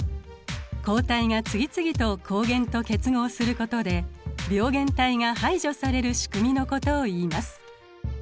抗体が次々と抗原と結合することで病原体が排除されるしくみのことをいいます。